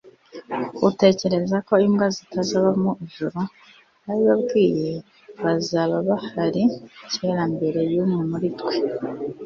utekereza ko imbwa zitazaba mu ijuru? ndabibabwiye, bazaba bahari kera mbere y'umwe muri twe